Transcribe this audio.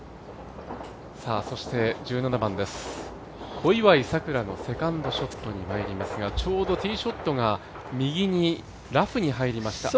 そして、１７番です小祝さくらのセカンドショットにまいりますがちょうどティーショットが右に、ラフに入りました。